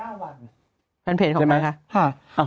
ในแฟนเพจเขาบอกว่า๔๙วัน